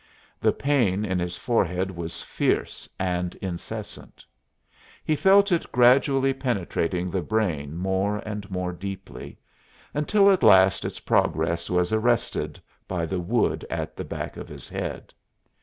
The pain in his forehead was fierce and incessant. He felt it gradually penetrating the brain more and more deeply, until at last its progress was arrested by the wood at the back of his head.